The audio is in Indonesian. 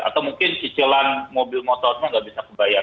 atau mungkin cicilan mobil motornya tidak bisa dibayar